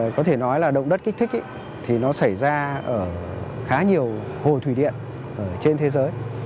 có thể nói là động đất kích thích thì nó xảy ra ở khá nhiều hồ thủy điện trên thế giới